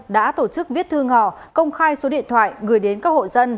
đã tổ chức viết thư ngỏ công khai số điện thoại gửi đến các hộ dân